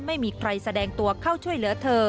ไม่มีใครแสดงตัวเข้าช่วยเหลือเธอ